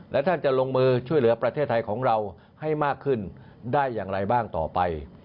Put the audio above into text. และท่านจะลงมือช่วยเหลือประเทศไทยของเราให้มากขึ้นได้อย่างไรบ้างต่อไป